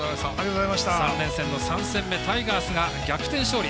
３連戦の３戦目タイガースが逆転勝利。